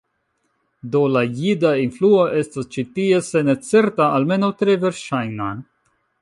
Do la jida influo estas ĉi tie, se ne certa, almenaŭ tre verŝajna.